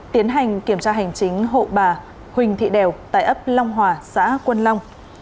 tiến hành kiểm tra hành chính hộ bà huỳnh thị đèo tại ấp long hòa xã quân long